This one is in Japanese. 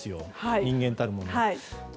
人間たるもの。